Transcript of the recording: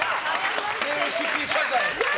正式謝罪！